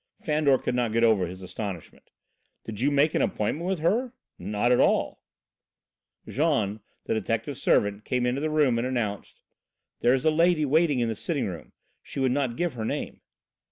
Fandor could not get over his astonishment. "Did you make an appointment with her?" "Not at all." Jean, the detective's servant, came into the room and announced: "There is a lady waiting in the sitting room. She would not give her name."